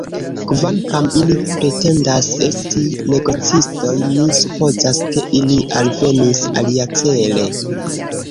Kvankam ili pretendas esti negocistoj, mi supozas, ke ili alvenis aliacele.